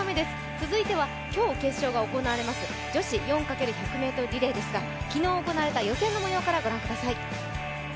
続いては今日決勝が行われます女子４ｘ１００ｍリレーですが昨日行われた予選のもようからご覧ください。